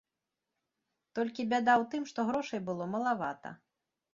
Толькі бяда ў тым, што грошай было малавата.